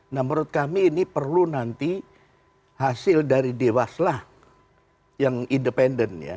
nah menurut kami ini perlu nanti hasil dari dewaslah yang independen ya